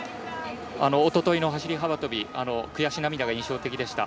おとといの走り幅跳び悔し涙が印象的でした。